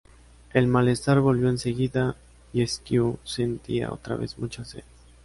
El malestar volvió en seguida y Esquiú sentía otra vez mucha sed.